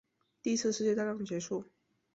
第一次世界大战结束